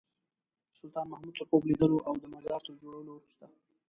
د سلطان محمود تر خوب لیدلو او د مزار تر جوړولو وروسته.